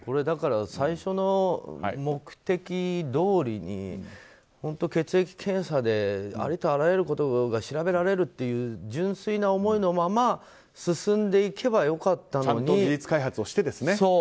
最初の目的どおりに血液検査でありとあらゆることが調べられるという純粋な思いのまま進んでいけば技術開発をしてですね。